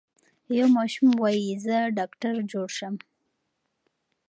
یو ماشوم وايي زه ډاکټر جوړ شم.